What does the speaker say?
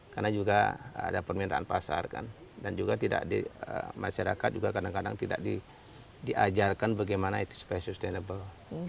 karena juga ada permintaan pasar kan dan juga tidak di masyarakat juga kadang kadang tidak diajarkan bagaimana itu sustainable